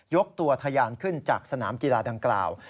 กตัวทะยานขึ้นจากสนามกีฬาดังกล่าว